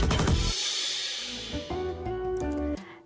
เปิด